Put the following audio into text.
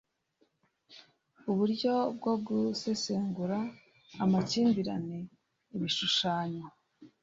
uburyo bwo gusesengura amakimbirane ibishushanyo